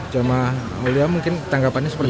jamaah mulia mungkin tanggapannya seperti ini